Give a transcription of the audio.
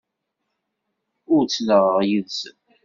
Ur ttnaɣeɣ yid-sen.